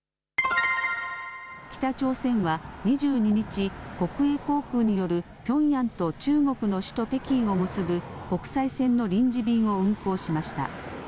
北朝鮮は２２日、国営航空によるピョンヤンと中国の首都北京を結ぶ国際線の臨時便を運航しました。